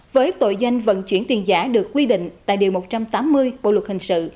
với tội danh vận chuyển tiền giả được quy định tại điều một trăm tám mươi bộ luật hình sự